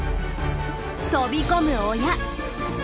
飛び込む親。